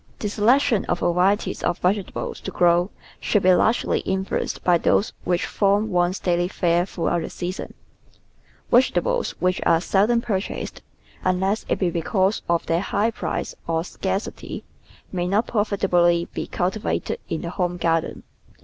The selection of varieties of vegetables to grow should be largely influenced by those which form one's daily fare throughout the season. Vegetables which are seldom purchased — unless it be because of their high price or scarcity — may not profitably be cultivated in the home garden.